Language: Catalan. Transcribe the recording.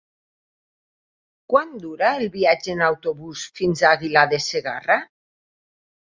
Quant dura el viatge en autobús fins a Aguilar de Segarra?